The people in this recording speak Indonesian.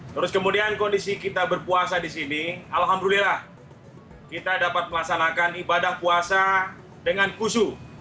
terus kemudian kondisi kita berpuasa di sini alhamdulillah kita dapat melaksanakan ibadah puasa dengan khusu